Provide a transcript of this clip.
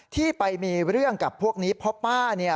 ที่ไปมีเรื่องกับพวกนี้เพราะป้าเนี่ย